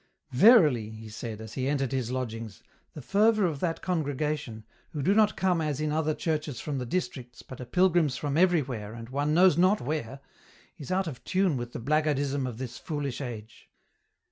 " Verily," he said, as he entered his lodgings, " the fervour of that congregation, who do not come as in other churches from the districts, but are pilgrims from every where and one knows not where, is out of tune with the blackguardism of this foolish age."